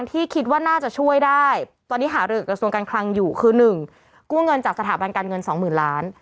พี่คิดว่าน่าจะช่วยได้ตอนนี้หารือกับส่วนการคลังอยู่คือ๑กู้เงินจากสถาบันการเงิน๒๐๐๐๐๐๐๐บาท